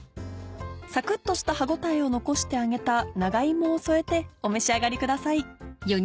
サクっとした歯応えを残して揚げた長芋を添えてお召し上がりください。